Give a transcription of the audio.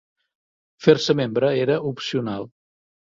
Fer-se membre era opcional.